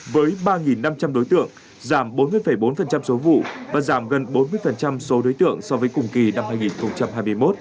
với ba năm trăm linh đối tượng giảm bốn mươi bốn số vụ và giảm gần bốn mươi số đối tượng so với cùng kỳ năm hai nghìn hai mươi một